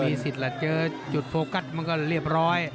มีสิทธิ์แหละเจอจุดโฟกัสมันก็เรียบร้อย